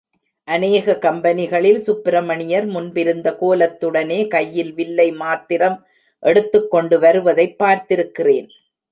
அநேக கம்பெனிகளில் சுப்பிரமணியர், முன்பிருந்த கோலத்துடனே, கையில் வில்லை மாத்திரம் எடுத்துக்கொண்டு வருவதைப் பார்த்திருக்கிறேன்.